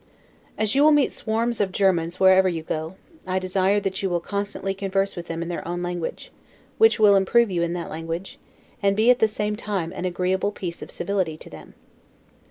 As you will meet swarms of Germans wherever you go, I desire that you will constantly converse with them in their own language, which will improve you in that language, and be, at the same time, an agreeable piece of civility to them.